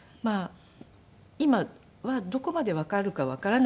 今はどこまでわかるかわからないです。